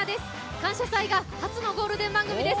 「感謝祭」が初のゴールデン番組です。